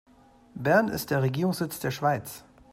Bern ist der Regierungssitz der Schweiz.